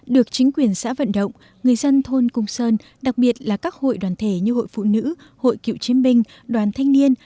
được chính quyền xã vận động người dân thôn cung sơn đặc biệt là các hội đoàn thể như hội phụ nữ hội cựu chiến binh đoàn thanh niên